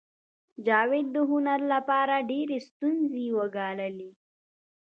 جاوید د هنر لپاره ډېرې ستونزې وګاللې